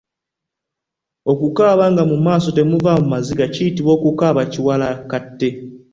Okukaaba nga mu maaso temuva maziga kuyitibwa kukaaba Kiwalakate.